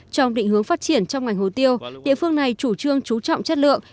trong định hướng phát triển trong ngành hồ tiêu địa phương này chủ trương trú trọng chất lượng